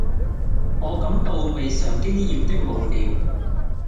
我感到未嘗經驗的無聊，